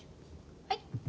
はい。